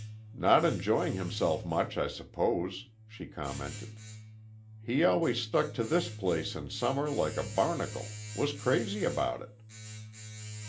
"Not enjoying himself much, I suppose," she commented. "He always stuck to this place in summer like a barnacle. Was crazy about it."